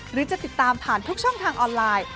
หรือจะติดตามผ่านทุกช่องทางออนไลน์